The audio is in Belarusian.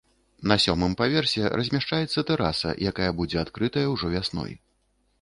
На сёмым паверсе размяшчаецца тэраса, якая будзе адкрытая ўжо вясной.